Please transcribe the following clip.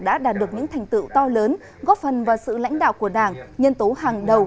đã đạt được những thành tựu to lớn góp phần vào sự lãnh đạo của đảng nhân tố hàng đầu